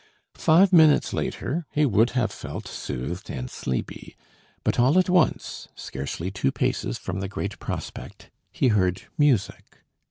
Five minutes later he would have felt soothed and sleepy. But all at once, scarcely two paces from the Great Prospect, he heard music.